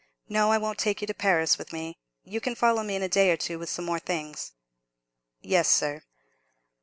No, I won't take you to Paris with me. You can follow me in a day or two with some more things." "Yes, sir."